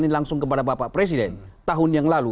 ini langsung kepada bapak presiden tahun yang lalu